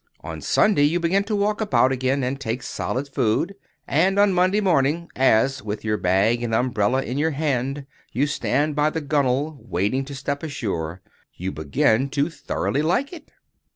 On Sunday, you begin to walk about again, and take solid food. And on Monday morning, as, with your bag and umbrella in your hand, you stand by the gunwale, waiting to step ashore, you begin to thoroughly like it.